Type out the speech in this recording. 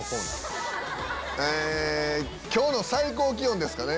え今日の最高気温ですかね？